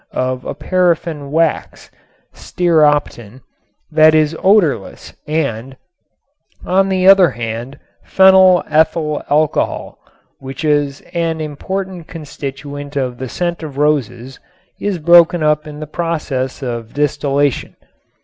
of a paraffin wax (stearopten) that is odorless and, on the other hand, phenyl ethyl alcohol, which is an important constituent of the scent of roses, is broken up in the process of distillation.